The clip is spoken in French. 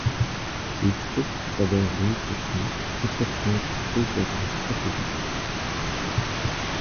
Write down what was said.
Ces stocks s'avèrent donc être une importante réserve stratégique.